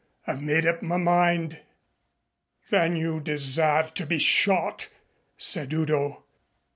I've made up my mind." "Then you deserve to be shot," said Udo.